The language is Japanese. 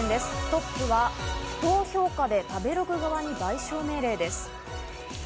トップは不当評価で食べログ側に賠償命令です。